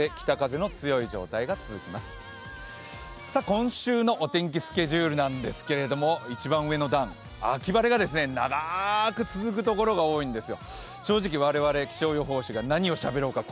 今週のお天気スケジュールなんですけど秋晴れが長く続くところが多いんですよ。